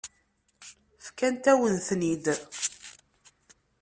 Fkant-awen-ten-id.